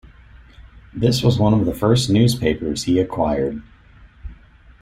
This was one of the first newspapers he acquired.